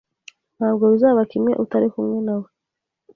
Ntabwo bizaba kimwe utari kumwe nawe.